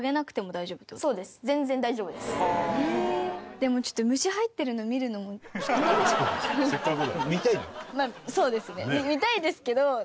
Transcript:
でもちょっとまあそうですね。